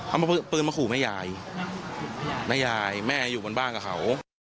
เอาปืนมาขู่แม่ยายแม่ยายแม่อยู่บนบ้านกับเขา